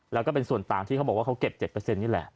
แล้วก็เป็นส่วนต่างที่เขาบอกว่าเขาเก็บเจ็ดเปอร์เซ็นต์นี่แหละ